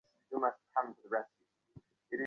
নীল, sir Ashok চক্রের রং কালো কি রং?